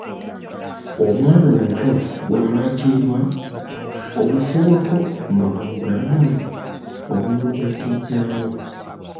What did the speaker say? Omwana omuto bw’alakirwa omufuuwako nga bwomugamba nti omululu gwa jjajjaawo.